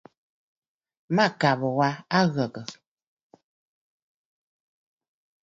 Mâkàbə̀ wa a ghə̀gə̀.